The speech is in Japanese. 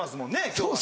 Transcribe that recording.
今日は。